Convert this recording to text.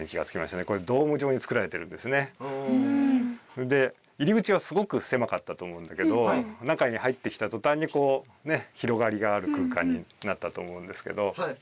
それもで入り口はすごくせまかったと思うんだけど中に入ってきたとたんにこうねっ広がりがある空間になったと思うんですけど。